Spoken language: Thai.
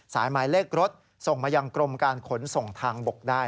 หมายเลขรถส่งมายังกรมการขนส่งทางบกได้